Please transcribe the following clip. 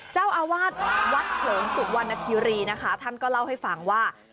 เจ้าอาวาสวัดเผลิงสุวรรณคิรีนะคะท่านก็เล่าให้ฟังว่า